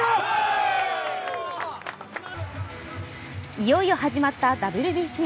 いよいよ始まったＷＢＣ。